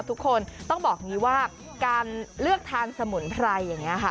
ทุกคนต้องบอกอย่างนี้ว่าการเลือกทานสมุนไพรอย่างนี้ค่ะ